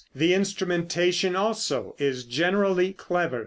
The instrumentation, also, is generally clever.